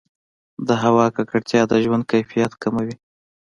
د هوا ککړتیا د ژوند کیفیت کموي.